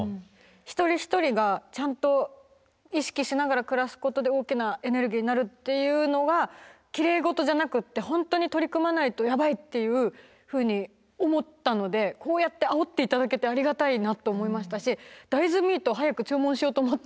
一人一人がちゃんと意識しながら暮らすことで大きなエネルギーになるっていうのはきれい事じゃなくって本当に取り組まないとやばいっていうふうに思ったのでこうやってあおって頂けてありがたいなと思いましたし大豆ミート早く注文しようと思って。